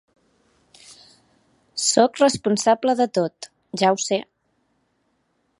Sóc responsable de tot, ja ho sé.